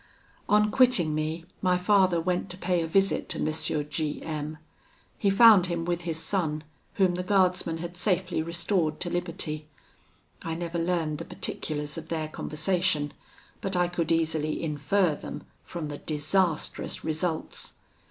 "On quitting me, my father went to pay a visit to M. G M . He found him with his son, whom the guardsman had safely restored to liberty. I never learned the particulars of their conversation; but I could easily infer them from the disastrous results.